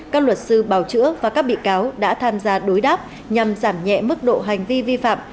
các luật sư bào chữa và các bị cáo đã tham gia đối đáp nhằm giảm nhẹ mức độ hành vi vi phạm